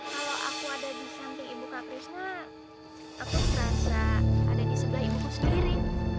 kalau aku ada di samping ibu kak krisna aku ngerasa ada di sebelah ibu sendiri